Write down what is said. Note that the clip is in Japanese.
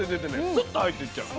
スッと入っていっちゃう。